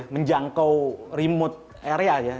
menjangkau remote area